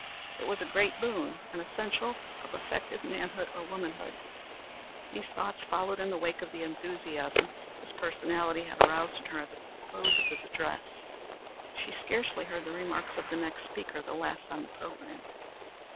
It was a great boon, an essential of effective manhood or womanhood. These thoughts followed in the wake of the enthusiasm his personality had aroused in her at the close of his address. She scarcely heard the remarks of the next speaker, the last on the programme.